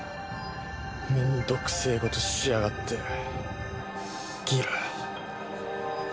面倒くせえことしやがってギラ。